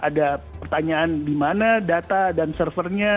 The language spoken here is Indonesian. ada pertanyaan di mana data dan servernya